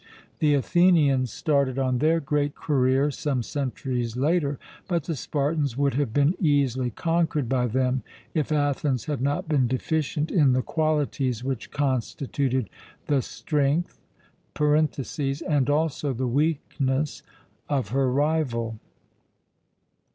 The Athenians started on their great career some centuries later, but the Spartans would have been easily conquered by them, if Athens had not been deficient in the qualities which constituted the strength (and also the weakness) of her rival.